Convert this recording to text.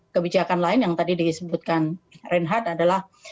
kebijakan lain yang tadi disebutkan reinhardt adalah